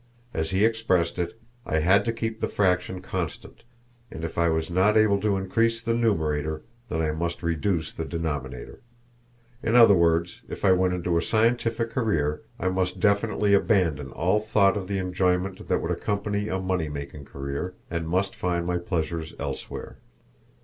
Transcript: As he expressed it, I had to keep the fraction constant, and if I was not able to increase the numerator, then I must reduce the denominator. In other words, if I went into a scientific career, I must definitely abandon all thought of the enjoyment that could accompany a money making career, and must find my pleasures elsewhere.